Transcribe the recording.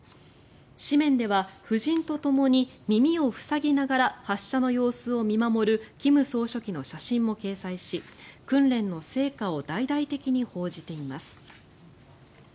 紙面では、夫人とともに耳を塞ぎながら発射の様子を見守る金総書記の写真も掲載し訓練の成果を大々的に報じています。